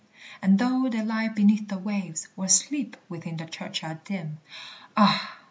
And though they lie beneath the waves, Or sleep within the churchyard dim, (Ah!